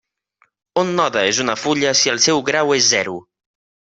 Un node és una fulla si el seu grau és zero.